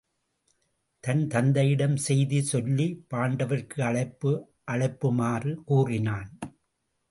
தன் தந்தையிடம் செய்தி சொல்லிப் பாண்டவர்க்கு அழைப்பு அழைப்புமாறு கூறினான்.